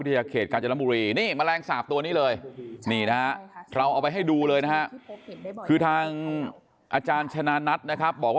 ที่กัดหญิงสาวชาวเมียนมานี่เป็นสายพันธุ์อเมริกัน